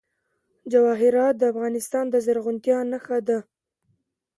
جواهرات د افغانستان د زرغونتیا نښه ده.